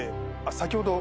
先ほどの。